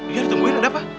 iya ditungguin ada apa